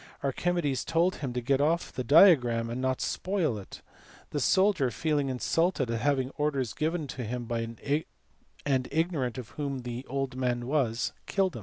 Archimedes told him to get off the diagram, and not spoil it. The soldier, feeling insulted at having orders given to him and ignorant of who the old man was, killed him.